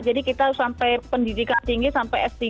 jadi kita sampai pendidikan tinggi sampai s tiga